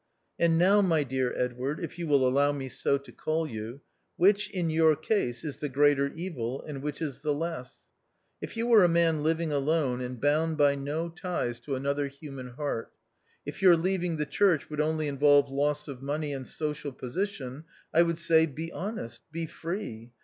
" And now, my dear Edward (if you will allow me so to call you), which, in your case, is the greater evil, and which is the less ? If you were a man living alone and bound by no ties to another human heart ; if your leaving the church would only involve loss of money and social position, I would say, Be honest, be free